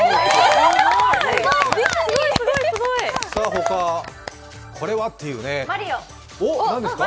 他、これはっていうね。